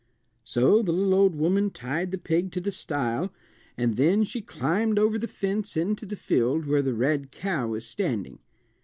So the little old woman tied the pig to the stile, and then she climbed over the fence into the field where the red cow was standing.